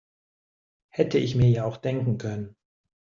Hätte ich mir ja auch denken können.